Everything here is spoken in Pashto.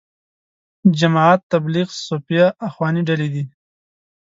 جماعت تبلیغ، صوفیه، اخواني ډلې دي.